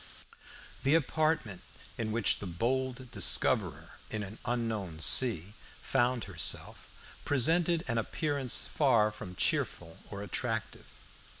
The apartment in which the "bold discoverer in an unknown sea" found herself presented an appearance far from cheerful or attractive.